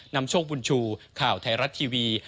นำโชคบุญชูข่าวไทยรัฐทีวี